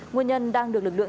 nguyên nhân đang được lực lượng